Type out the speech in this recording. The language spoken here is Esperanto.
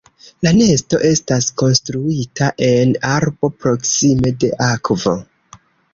La nesto estas konstruita en arbo proksime de akvo.